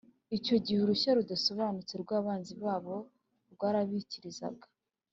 Icyo gihe, urusaku rudasobanutse rw’abanzi babo rwarabikirizaga,